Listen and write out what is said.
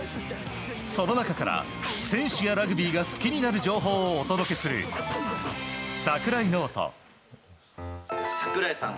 その中から、選手やラグビーが好きになる情報をお届けする櫻井さん